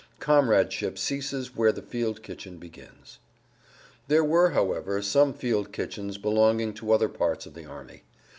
Comradeship ceases where the field kitchen begins. There were, however, some field kitchens belonging to other parts of the army.